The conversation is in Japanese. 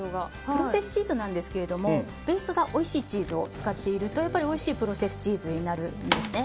プロセスチーズなんですがベースがおいしいチーズを使っているとおいしいプロセスチーズになるんですね。